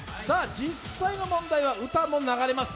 実際の問題は歌も流れます。